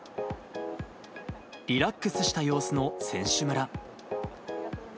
リラックスした様子の選手村。